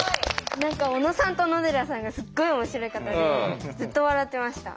小野さんと小野寺さんがすっごい面白い方でずっと笑ってました。